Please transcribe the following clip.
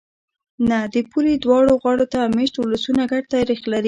نه! د پولې دواړو غاړو ته مېشت ولسونه ګډ تاریخ لري.